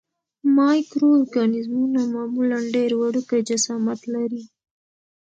مایکرو ارګانیزمونه معمولاً ډېر وړوکی جسامت لري.